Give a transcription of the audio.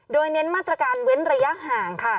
โดยเน้นมาตรการเว้นระยะห่างค่ะ